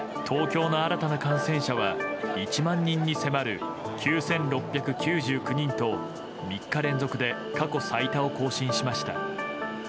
東京の新たな感染者は１万人に迫る９６９９人と、３日連続で過去最多を更新しました。